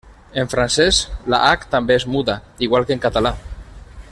En francès, la h també és muda, igual que en català.